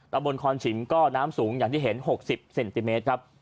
ตะบนคอนฉิมก็น้ำสูงอย่างที่เห็น๖๐เซนติเมตรครับ